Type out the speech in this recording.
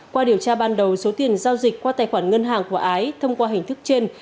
qua điều tra ban đầu số tiền giao dịch qua tài khoản ngân hàng của ái thông qua hình thức trên